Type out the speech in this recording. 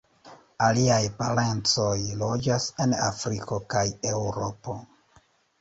Aliaj parencoj loĝas en Afriko kaj Eŭropo.